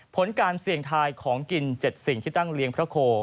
ผลการเสี่ยงทายของกิน๗สิ่งที่ตั้งเลี้ยงพระโค